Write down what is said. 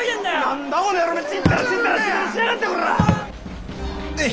何だこの野郎ちんたらちんたらしやがってこら！